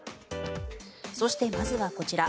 そして、まずはこちら。